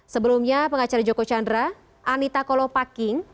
sebelumnya pengacara joko chandra anita kolopaking